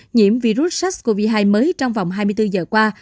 nhiễm virus sars cov hai mới trong vòng hai mươi bốn giờ qua